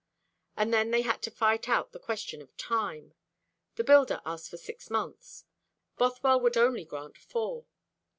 And then they had to fight out the question of time. The builder asked for six months; Bothwell would only grant four.